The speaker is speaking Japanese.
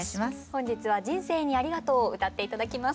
本日は「人生にありがとう」を歌って頂きます。